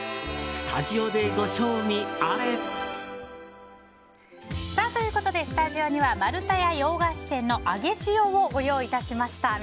スタジオでご賞味あれ！ということでスタジオにはまるたや洋菓子店のあげ潮をご用意致しました。